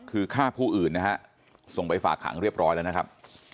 คือฆ่าผู้อื่นนะฮะส่งไปฝากขังเรียบร้อยแล้วนะครับ